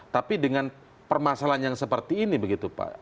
tapi dengan permasalahan yang seperti ini begitu pak